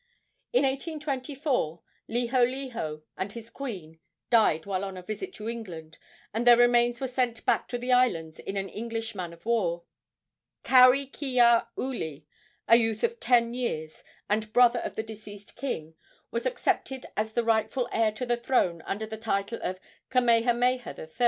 In 1824 Liholiho and his queen died while on a visit to England, and their remains were sent back to the islands in an English man of war. Kauikeaouli, a youth of ten years, and brother of the deceased king, was accepted as the rightful heir to the throne under the title of Kamehameha III.